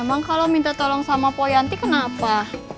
emang kalau minta tolong sama poyanti kenapa